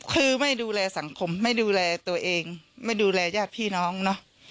คือไม่ดูแลสังคมไม่ดูแลตัวเองไม่ดูแลญาติพี่น้องเนอะ